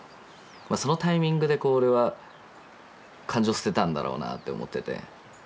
そのタイミングでこう俺は感情捨てたんだろうなって思ってて。